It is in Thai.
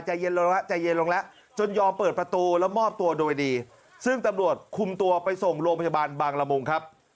ใจเย็นลงแล้วจนยอมเปิดประตูแล้วมอบตัวโดยดีซึ่งตำรวจคุมตัวไปส่งโรงพยาบาลบางละมุงครับ